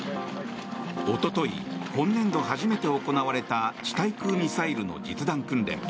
おととい、今年度初めて行われた地対空ミサイルの実弾訓練。